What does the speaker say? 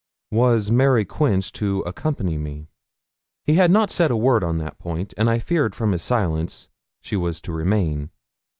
Was Mary Quince to accompany me? He had not said a word on that point; and I feared from his silence she was to remain.